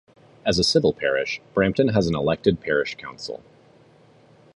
As a civil parish, Brampton has an elected parish council.